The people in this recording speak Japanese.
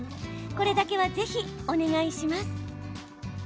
これだけはぜひお願いします。